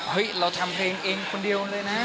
เราทำเพลงเองคนเดียวเลยนะ